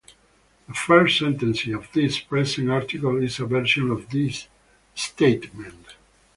The first sentence of this present article is a version of this statement.